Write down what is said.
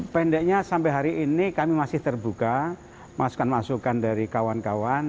pendeknya sampai hari ini kami masih terbuka masukan masukan dari kawan kawan